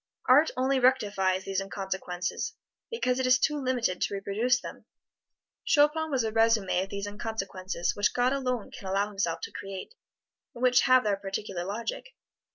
Art only rectifies these inconsequences, because it is too limited to reproduce them. Chopin was a resume of these inconsequences which God alone can allow Himself to create, and which have their particular logic.